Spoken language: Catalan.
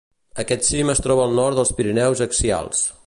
Aquest cim es troba al nord dels Pirineus axials.